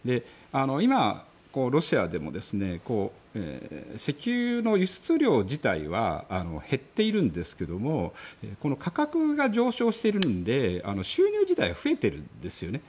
今、ロシアでも石油の輸出量自体は減っているんですけど価格が上昇しているので収入自体は増えてるんですよね。